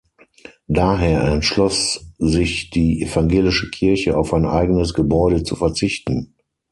Daher entschloss sich die evangelische Kirche, auf ein eigenes Gebäude zu verzichten.